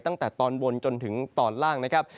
ตั้งแต่ตอนบนจนถึงตอนล่างนะครับ